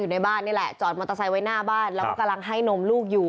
ในบ้านนี่แหละจอดมอเตอร์ไซค์ไว้หน้าบ้านแล้วก็กำลังให้นมลูกอยู่